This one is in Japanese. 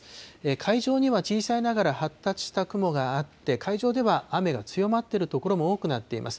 海上には小さいながら発達した雲があって、会場では雨が強まっている所も多くなっています。